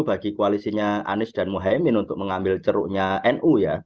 bagi koalisinya anies dan mohaimin untuk mengambil ceruknya nu ya